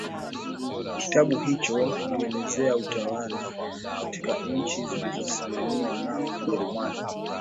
kitabu hicho kilielezea utawala katika nchi zilizosimamiwa na ujerumani